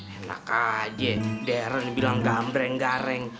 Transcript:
enak aja darren bilang gamreng gareng